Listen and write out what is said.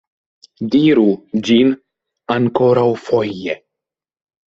Diru ĝin ankoraŭfoje!